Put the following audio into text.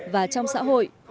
và trong xã hội